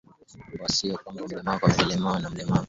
mba sio kwamba mlemavu amelelewa na mlemavu mwingine